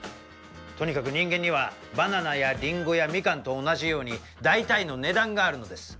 とにかく人間にはバナナやリンゴやミカンと同じように大体の値段があるのです。